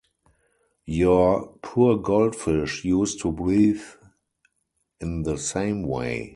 Your poor goldfish used to breathe in the same way.